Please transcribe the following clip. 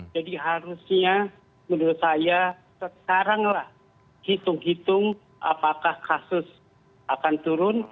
jadi harusnya menurut saya sekaranglah hitung hitung apakah kasus akan turun